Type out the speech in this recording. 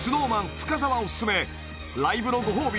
深澤おすすめライブのご褒美